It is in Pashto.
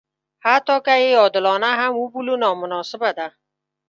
حتی که یې عادلانه هم وبولو نامناسبه ده.